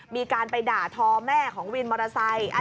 มีการไปด่าทอแม่ของวินมอเตอร์ไซค์